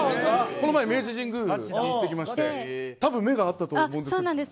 この前、明治神宮に行ってきましてたぶん目が合ったと思います。